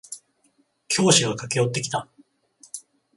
教師が駆け寄ってきた。